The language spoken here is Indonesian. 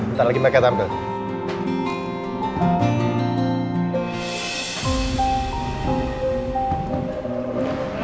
ntar lagi mereka taruh